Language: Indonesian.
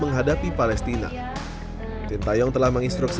dan juga sebuah pertandingan kekuatan yang sangat kuat